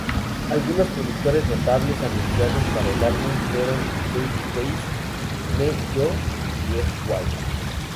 Algunos productores notables anunciados para el álbum fueron Babyface, Ne-Yo y Eg White.